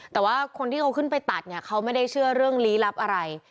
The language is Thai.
แต่ว่าคนที่เขาขึ้นไปตัดเนี่ยเขาไม่ได้เชื่อเรื่องลี้ลับอะไร